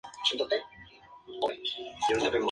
Obtuvo la libertad condicional, luego fue sobreseído.